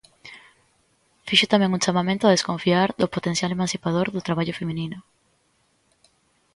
Fixo tamén un chamamento a desconfiar "do potencial emancipador do traballo feminino".